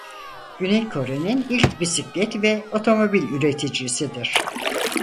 Güney Kore'nin ilk bisiklet ve otomobil üreticisidir.